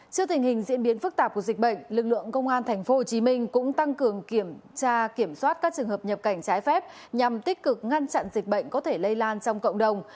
trước tình hình diễn biến phức tạp của dịch bệnh lực lượng công an tp hcm cũng tăng cường kiểm tra kiểm soát các trường hợp nhập cảnh trái phép nhằm tích cực ngăn chặn dịch bệnh có thể lây lan trong cộng đồng